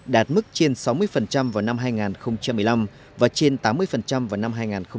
đạt mức trên sáu mươi vào năm hai nghìn một mươi năm và trên tám mươi vào năm hai nghìn hai mươi